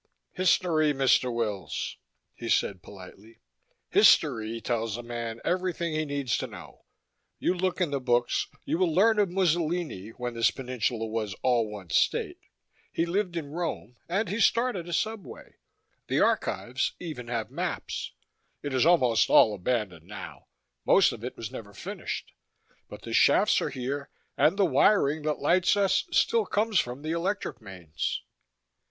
"History, Mr. Wills," he said politely. "History tells a man everything he needs to know. You look in the books, and you will learn of Mussolini, when this peninsula was all one state; he lived in Rome, and he started a subway. The archives even have maps. It is almost all abandoned now. Most of it was never finished. But the shafts are here, and the wiring that lights us still comes from the electric mains."